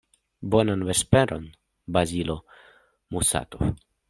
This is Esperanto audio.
Bonan vesperon, Bazilo Musatov.